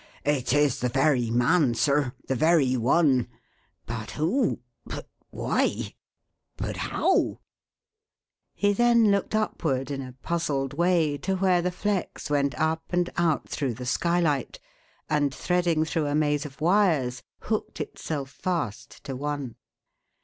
"It is the very man, sir, the very one! But who but why but how?" He then looked upward in a puzzled way to where the flex went up and out through the skylight and, threading through a maze of wires, hooked itself fast to one.